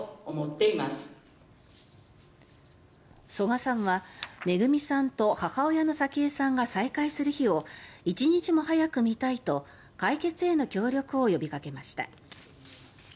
曽我さんはめぐみさんと母親の早紀江さんが再会する日を一日も早く見たいと解決への協力を呼びかけました。